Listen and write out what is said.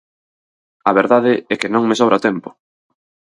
A verdade é que non me sobra o tempo!